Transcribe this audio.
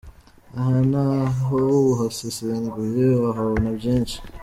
Aha na ho uhasesenguye wahabona byinshi.